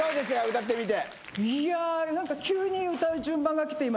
歌ってみて。